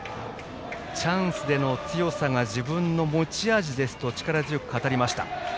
チャンスでの強さが自分の持ち味ですと力強く語りました。